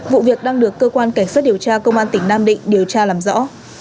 vụ việc đang được cơ quan cảnh sát điều tra công an tỉnh nam định điều tra làm rõ